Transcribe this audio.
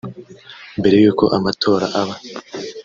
Mbere y’uko amatora aba